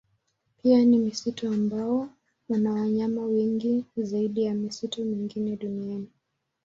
Pia ni msitu ambao una wanyama wengi zaidi ya misitu mingine duniani.